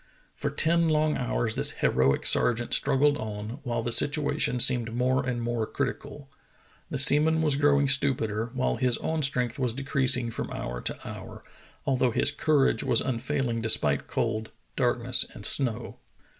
For ten long hours this heroic sergeant struggled on, while the situation seemed more and more critical. The seaman was growing stupider, while his own strength was decreasing from hour to hour, although his courage was unfailing despite cold, darkness, and snow.